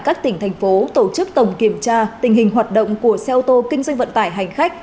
các tỉnh thành phố tổ chức tổng kiểm tra tình hình hoạt động của xe ô tô kinh doanh vận tải hành khách